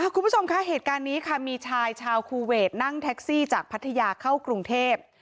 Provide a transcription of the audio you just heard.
คุณผู้ชมคะเหตุการณ์นี้ค่ะมีชายชาวคูเวทนั่งแท็กซี่จากพัทยาเข้ากรุงเทพ